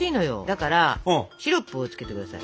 だからシロップをつけて下さい。